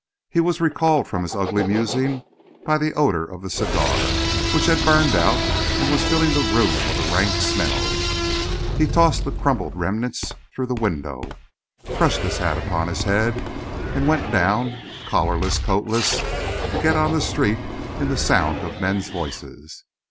He was recalled from his ugly musing by the odor of the cigar, which had burned out and was filling the room with a rank smell; he tossed the crumbled remnants through the window, crushed his hat upon his head, and went down, collarless, coatless, to get on the street in the sound of men's voices.